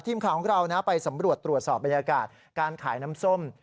ทีมข่าวของเราไปสำรวจตรวจสอบบรรยากาศการขายน้ำส้ม